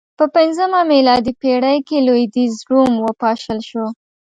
په پنځمه میلادي پېړۍ کې لوېدیځ روم وپاشل شو